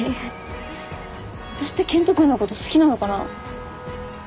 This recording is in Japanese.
私って健人君のこと好きなのかな？